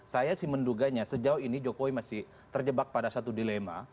saya sih menduganya sejauh ini jokowi masih terjebak pada satu dilema